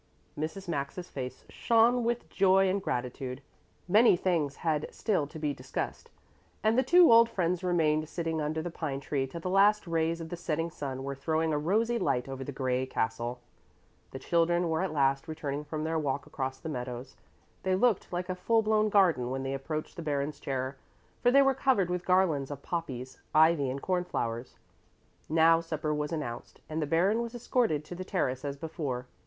Mrs. Maxa's face shone with joy and gratitude. Many things had still to be discussed, and the two old friends remained sitting under the pine tree till the last rays of the setting sun were throwing a rosy light over the gray castle. The children were at last returning from their walk across the meadows. They looked like a full blown garden when they approached the Baron's chair, for they were covered with garlands of poppies, ivy and cornflowers. Now supper was announced, and the Baron was escorted to the terrace as before.